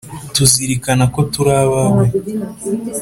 tuzirikana ko turi abawe.